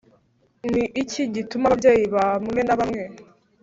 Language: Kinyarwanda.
Ni iki gituma ababyeyi bamwe na bamwe